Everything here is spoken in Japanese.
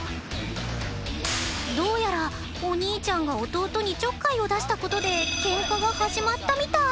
どうやらお兄ちゃんが弟にちょっかいを出したことでケンカが始まったみたい！